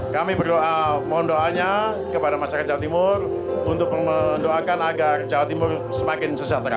kami berdoa mohon doanya kepada masyarakat jawa timur untuk mendoakan agar jawa timur semakin sejahtera